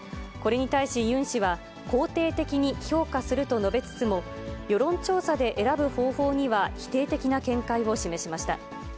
これに対しユン氏は、肯定的に評価すると述べつつも、世論調査で選ぶ方法には否定的な見解を示しました。